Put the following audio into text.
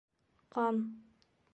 Ҡан...